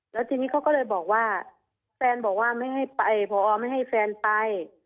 แล้วทีนี้เขาก็เลยบอกว่าแฟนบอกว่าไม่ให้ไปพอไม่ให้แฟนไป